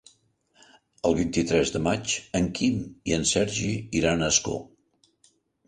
El vint-i-tres de maig en Quim i en Sergi iran a Ascó.